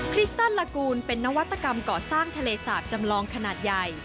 คริสตันละกูลเป็นนวัตกรรมก่อสร้างทะเลสาบจำลองขนาดใหญ่